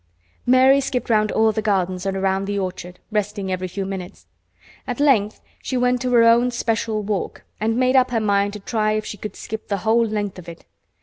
Mary skipped round all the gardens and round the orchard, resting every few minutes. At length she went to her own special walk and made up her mind to try if she could skip the whole length of it.